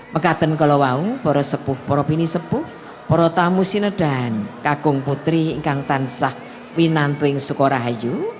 mengatakan kelewau para sepuh para bini sepuh para tamu sinedahan kakung putri ingkang tansah winantwing sukorahayu